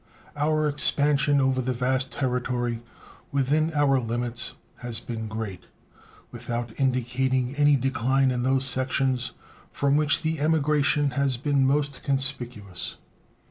Our expansion over the vast territory within our limits has been great, without indicating any decline in those sections from which the emigration has been most conspicuous.